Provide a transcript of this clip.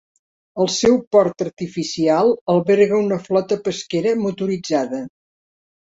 El seu port artificial alberga una flota pesquera motoritzada.